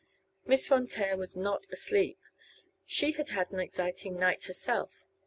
Miss Von Taer was not asleep. She had had an exciting night herself.